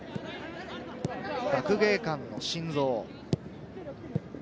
学芸館の心臓。